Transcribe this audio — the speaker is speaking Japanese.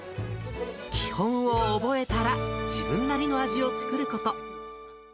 基本を覚えたら自分なりの味を作ること。